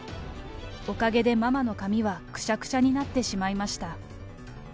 おかげでママの髪はくしゃくしゃになってしまいました。